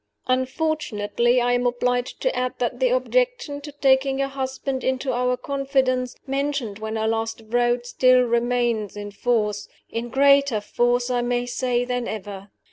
Unfortunately, I am obliged to add that the objection to taking your husband into our confidence, mentioned when I last wrote, still remains in force in greater force, I may say, than ever.